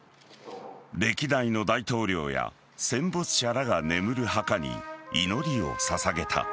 歴代の大統領や戦没者らが眠る墓に祈りを捧げた。